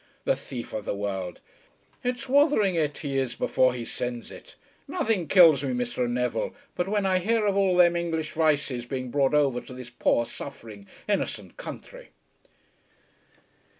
The thief of the world, it's wathering it he is before he sends it. Nothing kills me, Mr. Neville, but when I hear of all them English vices being brought over to this poor suffering innocent counthry."